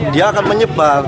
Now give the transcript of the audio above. dia akan menyebar